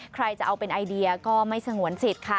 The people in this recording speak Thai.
ใครจะเอาเป็นไอเดียก็ไม่สงวนสิทธิ์ค่ะ